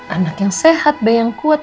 anak yang sehat baik yang kuat